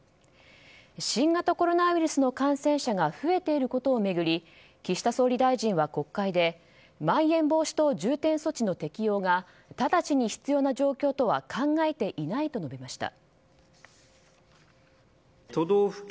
新型コロナウイルスの感染者が増えていることを巡り岸田総理大臣は国会でまん延防止等重点措置の適用がただちに必要な状況とは考えていないと述べました。